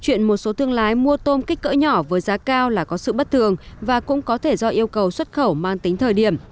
chuyện một số thương lái mua tôm kích cỡ nhỏ với giá cao là có sự bất thường và cũng có thể do yêu cầu xuất khẩu mang tính thời điểm